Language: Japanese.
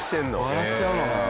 笑っちゃうのかな？